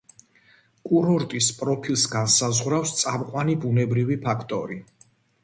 კურორტის პროფილს განსაზღვრავს წამყვანი ბუნებრივი ფაქტორი.